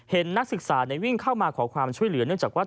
นักศึกษาวิ่งเข้ามาขอความช่วยเหลือเนื่องจากว่า